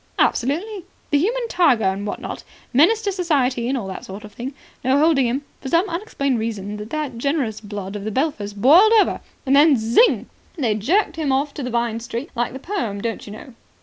"Absolutely. The human tiger, and what not. Menace to Society and all that sort of thing. No holding him. For some unexplained reason the generous blood of the Belphers boiled over, and then zing. They jerked him off to Vine Street. Like the poem, don't you know.